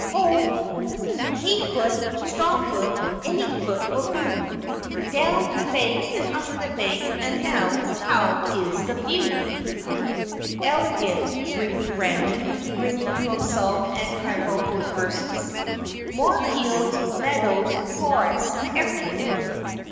Ho " "Hay foot, straw foot, any foot will do, Down the bank and up the bank, and now, how is the view?" "Elegant," breathed Randy, grinning to himself at Kabumpo's verses. "More fields meadows forests, everything!"